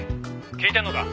聞いてんのか？」